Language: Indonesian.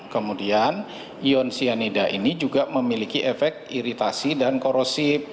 kemudian ion cyanida ini juga memiliki efek iritasi dan korosif